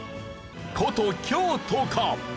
古都京都か？